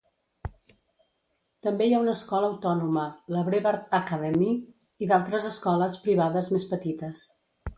També hi ha una escola autònoma, la Brevard Academy, i d'altres escoles privades més petites.